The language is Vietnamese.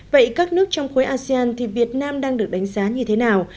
vậy các nước trong khối asean thì việt nam đang được đánh giá như thế nào